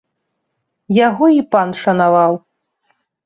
Яго і пан шанаваў.